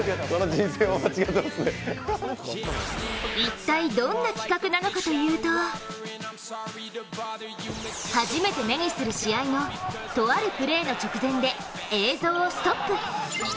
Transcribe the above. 一体どんな企画なのかというと初めて目にする試合のとあるプレーの直前で映像をストップ。